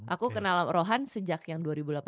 aku kenal rohan sejak yang dua ribu delapan belas